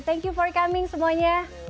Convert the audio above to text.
thank you for coming semuanya